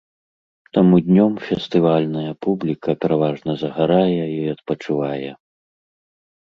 Таму днём фестывальная публіка пераважна загарае і адпачывае.